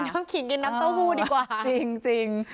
น้ำขิงกินน้ำเต้าหู้ดีกว่าจริงจริง